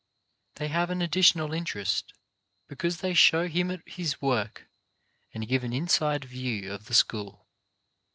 They have an additional interest because they show him at his work and give an inside view of the school.